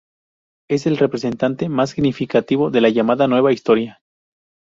Es el representante más significativo de la llamada nueva historia.